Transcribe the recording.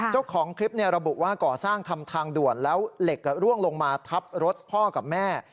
เจ้าของคลิประบุว่าก่อสร้างทำทางด่วนแล้วเหล็กร่วงลงมาทับรถพ่อกับแม่